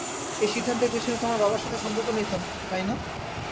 এই সিদ্ধান্তের পেছনে তোমার বাবার সাথে সম্পর্ক নেই তো, তাই না?